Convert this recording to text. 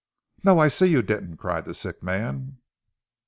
No, I see you didn't!" cried the sick man.